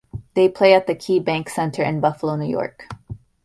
They play at the KeyBank Center in Buffalo, New York.